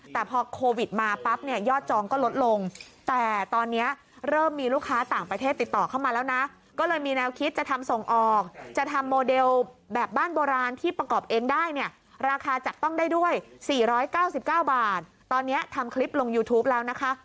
แต่พอโควิดมาปั๊บเนี้ยยอดจองก็ลดลงแต่ตอนเนี้ยเริ่มมีลูกค้าต่างประเทศติดต่อเข้ามาแล้วนะ